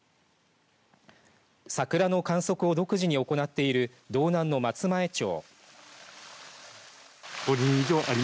桜の観測を独自に行っている道南の松前町。